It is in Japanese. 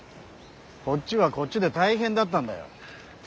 こっちはこっちで大変だったんだよ。